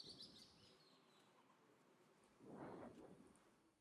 Ha producido numerosas películas, e innumerables series de televisión.